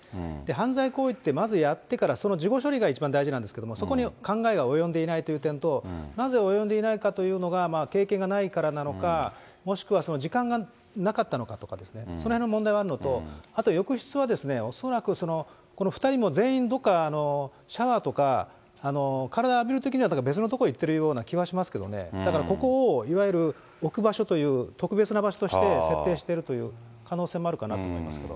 犯罪行為って、まずやってから、その事後処理が一番大事なんですけれども、そこに考えが及んでいないという点と、なぜ及んでいないというのが経験がないからなのか、もしくはその時間がなかったのかとかですね、そのへんの問題があるのと、あと、浴室は恐らくその、この２人の全員どっかシャワーとか体浴びるときには別の所に行っているような気はしますけれどもね、だからここをいわゆる置く場所という、特別な場所として設定しているという可能性もあるかなと思います